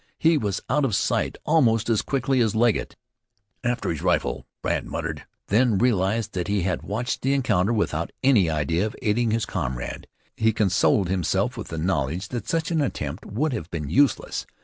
He was out of sight almost as quickly as Legget. "After his rifle," Brandt muttered, and then realized that he had watched the encounter without any idea of aiding his comrade. He consoled himself with the knowledge that such an attempt would have been useless.